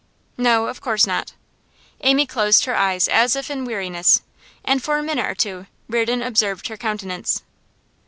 'No, of course not.' Amy closed her eyes, as if in weariness, and for a minute or two Reardon observed her countenance.